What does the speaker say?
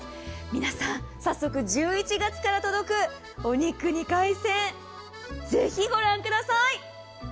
皆さん、早速１１月から届くお肉に海鮮、ぜひ御覧ください。